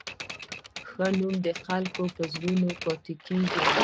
ښه نوم د خلکو په زړونو پاتې کېږي.